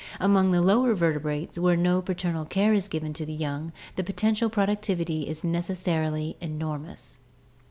Among the lower vertebrates where no paternal care is given to the young the potential productivity is necessarily enormous.